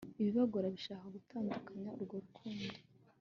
ibibagora bishaka gutandukanya urwo rukundo